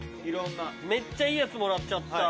めっちゃいいやつもらっちゃった。